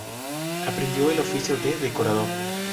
Aprendió el oficio de decorador.